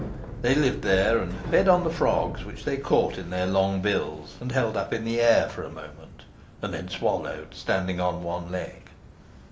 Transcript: They lived there, and fed on the frogs which they caught in their long bills, and held up in the air for a moment, and then swallowed, standing on one leg.